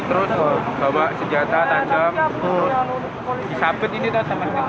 terus bawa senjata tajam disapit ini tadi